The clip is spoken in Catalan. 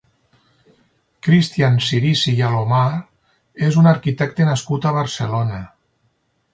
Cristian Cirici i Alomar és un arquitecte nascut a Barcelona.